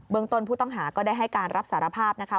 เมืองต้นผู้ต้องหาก็ได้ให้การรับสารภาพนะคะ